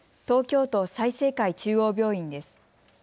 東京都済生会中央病院です。